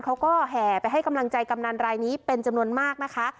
แห่ไปให้กำลังใจกำนันรายนี้เป็นจำนวนมากนะคะ